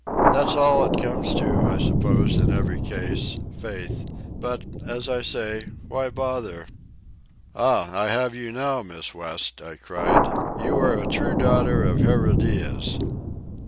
That's all it comes to, I suppose, in every case—faith. But, as I say, why bother?" "Ah, I have you now, Miss West!" I cried. "You are a true daughter of Herodias."